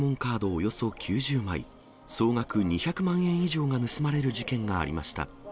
およそ９０枚、総額２００万円以上が盗まれる事件がありました。